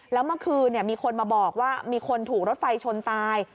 แล้วเมื่อคืนมีคนมาบอกว่ามีคนถูกรถไฟชนตาย